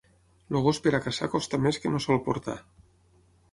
El gos per a caçar costa més que no sol portar.